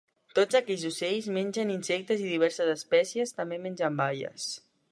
Tots aquests ocells mengen insectes i diverses espècies també mengen baies.